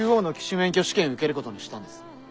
免許試験受けることにしたんです。